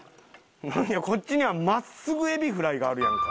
こっちには真っすぐエビフライがあるやんか。